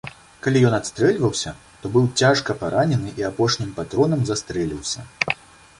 Калі ён адстрэльваўся, то быў цяжка паранены і апошнім патронам застрэліўся.